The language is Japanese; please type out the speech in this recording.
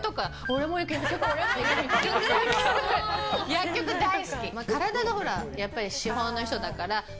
薬局大好き。